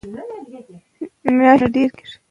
عاید ترلاسه شو.